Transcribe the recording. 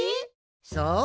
そう。